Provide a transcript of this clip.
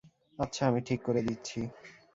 আচ্ছা, আমি ঠিক করে দিচ্ছি।